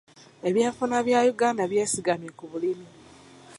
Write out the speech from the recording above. Ebyenfuna bya Uganda byesigamye ku bulimi.